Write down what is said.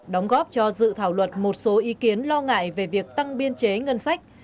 đóng góp cho dự thảo luật một số ý kiến lo ngại về việc tăng biên chế ngân sách